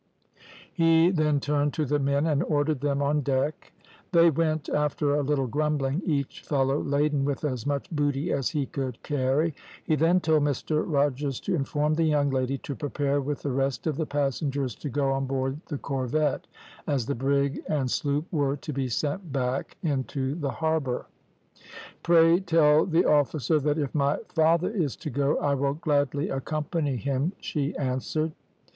"He then turned to the men and ordered them on deck. They went after a little grumbling, each fellow laden with as much booty as he could carry. He then told Mr Rogers to inform the young lady to prepare with the rest of the passengers to go on board the corvette, as the brig and sloop were to be sent back into the harbour. "`Pray tell the officer, that if my father is to go I will gladly accompany him,' she answered.